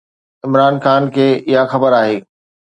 عمران خان کي اها خبر آهي.